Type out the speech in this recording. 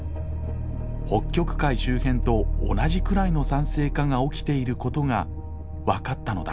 北極海周辺と同じくらいの酸性化が起きていることが分かったのだ。